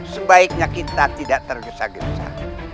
sebaiknya kita tidak tergesa gesa